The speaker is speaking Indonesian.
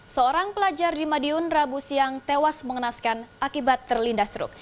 seorang pelajar di madiun rabu siang tewas mengenaskan akibat terlindas truk